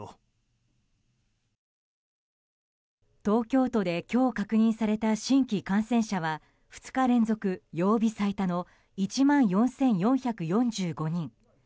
東京都で今日確認された新規感染者は２日連続、曜日最多の１万４４４５人。